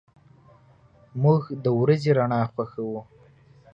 موږ د ورځې رڼا خوښو.